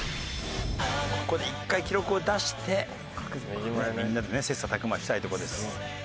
ここで１回記録を出してみんなでね切磋琢磨したいとこです。